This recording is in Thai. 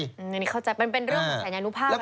อืมอย่างนี้เข้าใจมันเป็นเรื่องแสดงอย่างรูปภาพกันเนอะ